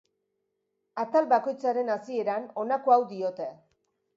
Atal bakoitzaren hasieran honako hau diote.